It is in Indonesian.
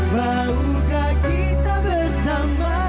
maukah kita bersama